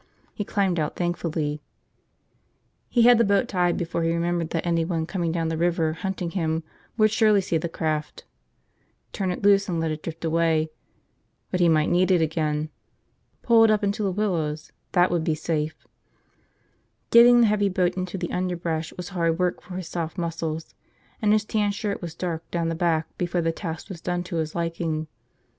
He climbed out thankfully. He had the boat tied before he remembered that anyone coming down the river, hunting him, would surely see the craft. Turn it loose and let it drift away – but he might need it again. Pull it up into the willows, that would be safe. Getting the heavy boat into the underbrush was hard work for his soft muscles, and his tan shirt was dark down the back before the task was done to his liking.